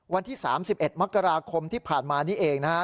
วันที่๓๑มกราคมที่ผ่านมานี้เองนะฮะ